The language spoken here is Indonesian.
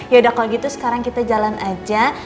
yaudah kalau gitu sekarang kita jalan aja